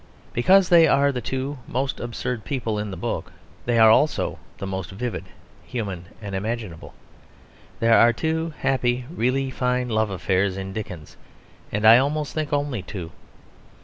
Because they are the two most absurd people in the book they are also the most vivid, human, and imaginable. There are two really fine love affairs in Dickens; and I almost think only two.